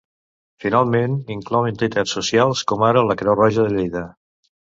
Finalment inclou entitats socials, com ara la Creu Roja de Lleida.